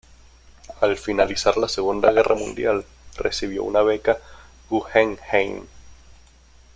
Al finalizar la Segunda Guerra Mundial recibió una beca Guggenheim.